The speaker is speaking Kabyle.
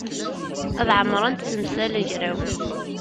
Ay ɛemṛent temsal agraw.